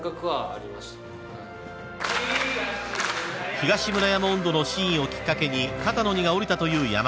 ［『東村山音頭』のシーンをきっかけに肩の荷が下りたという山田］